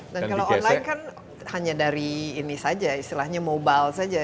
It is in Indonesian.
dan kalau online kan hanya dari ini saja istilahnya mobile saja